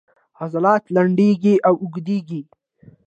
عضلات لنډیږي او اوږدیږي